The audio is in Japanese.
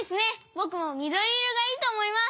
ぼくもみどりいろがいいとおもいます！